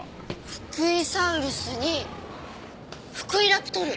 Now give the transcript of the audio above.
フクイサウルスにフクイラプトル。